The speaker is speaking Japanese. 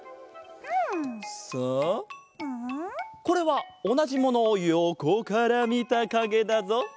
これはおなじものをよこからみたかげだぞ。